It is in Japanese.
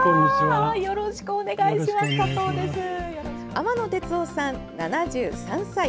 天野哲夫さん、７３歳。